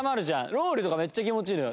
ロウリュとかめっちゃ気持ちいいのよ。